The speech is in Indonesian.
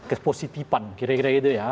kepositifan kira kira gitu ya